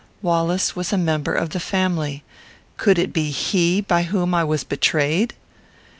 Wallace was a member of the family. Could it be he by whom I was betrayed?